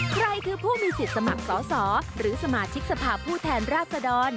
ใครคือผู้มีสิทธิ์สมัครสอสอหรือสมาชิกสภาพผู้แทนราชดร